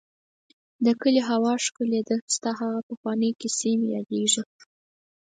د کلي هوا ښکلې ده ، ستا هغه پخوانی کيسې مې ياديږي.